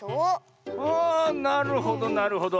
あなるほどなるほど。